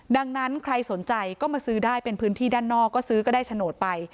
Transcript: ดังนั้นใครสนใจก็มาซื้อได้เป็นพื้นที่ด้านนอกก็ซื้อก็ได้โฉนดไป